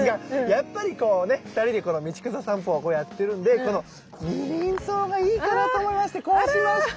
やっぱりこうね２人でこの道草さんぽやってるんでこのニリンソウがいいかなと思いましてこうしました！